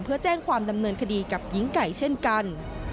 เพื่อแจ้งความดำเนินคดีกับหญิงไก่เช่นกัน